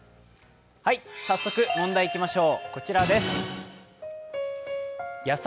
早速、問題いきましょう。